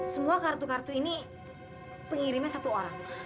semua kartu kartu ini pengirimnya satu orang